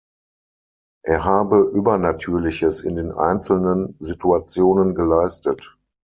Er habe Übernatürliches in den einzelnen Situationen geleistet.